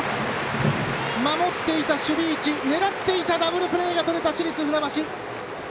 守っていた守備位置狙っていたダブルプレーがとれた市立船橋。